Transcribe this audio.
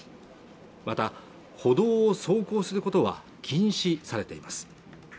また歩道を走行することは禁止されています